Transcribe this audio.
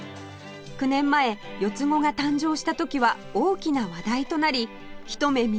９年前四つ子が誕生した時は大きな話題となりひと目